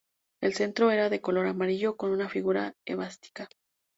El centro era de color amarillo y con una figura esvástica.